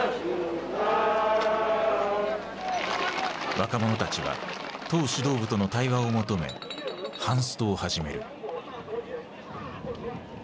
若者たちは党指導部との対話を求めハンストを始める。